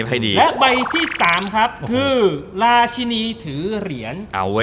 และใบที่๓ครับคือราชินีถือเหรียญ